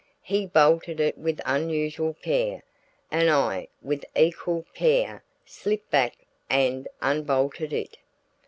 He bolted it with unusual care, and I with equal care slipped back and unbolted it.